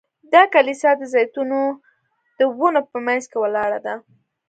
دا کلیسا د زیتونو د ونو په منځ کې ولاړه ده.